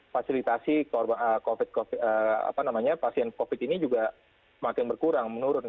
fasilitasi pasien covid ini juga makin berkurang menurun